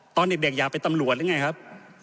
ตอนเด็กอยากเป็นตำรวจหรือไงครับ